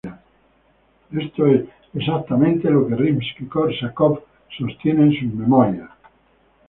Esto es exactamente lo que Rimski‑Kórsakov sostiene en sus memorias.